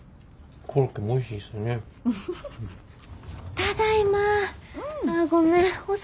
ただいま。